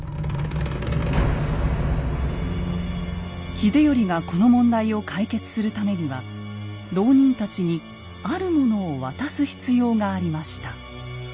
秀頼がこの問題を解決するためには牢人たちにあるものを渡す必要がありました。